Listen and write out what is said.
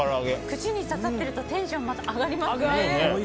串に刺さってるとまたテンション上がりますね。